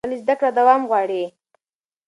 ولې زده کړه دوام غواړي؟